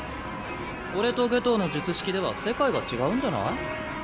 俺と夏油の術式では世界が違うんじゃない？